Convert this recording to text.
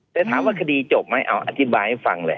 แต่ถามว่าคดีจบไหมเอาอธิบายให้ฟังแหละ